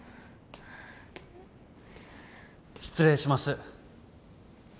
失礼します。